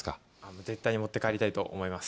絶対に持って帰りたいと思います